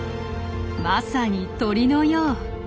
まさに鳥のよう。